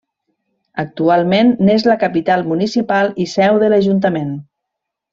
Actualment n'és la capital municipal i seu de l'ajuntament.